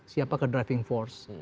siapakah driving force